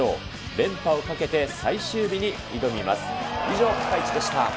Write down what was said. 連覇をかけて最終日に挑みます。